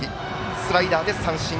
スライダーで三振。